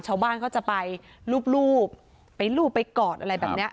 ชาวบ้านเขาจะไปลูบไปรูปไปกอดอะไรแบบนี้